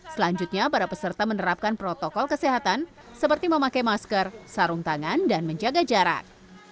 selanjutnya para peserta menerapkan protokol kesehatan seperti memakai masker sarung tangan dan menjaga jarak